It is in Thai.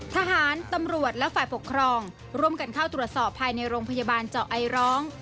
ทหารตำรวจและฝ่ายปกครองร่วมกันเข้าตรวจสอบภายในโรงพยาบาลเจาะไอร้อง